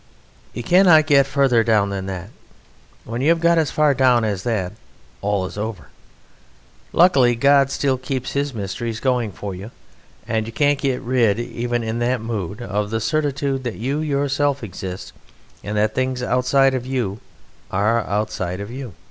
You cannot get further down than that. When you have got as far down as that all is over. Luckily God still keeps his mysteries going for you, and you can't get rid, even in that mood, of the certitude that you yourself exist and that things outside of you are outside of you.